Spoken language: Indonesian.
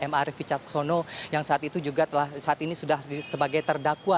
m arief ficaksono yang saat ini juga sudah sebagai terdakwa